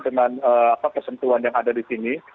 dengan apa persentuhan yang ada di sini